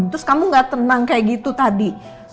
terus kamu gak tenang kayak gitu tadi